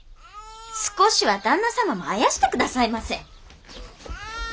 少しは旦那様もあやして下さいませ！